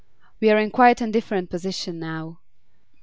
We are in quite a different position now.